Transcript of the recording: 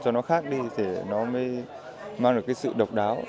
cho nó khác đi thì nó mới mang được cái sự độc đáo